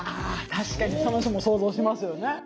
確かにその人も想像しますよね。